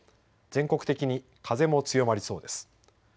全国的に風も強まりそうです。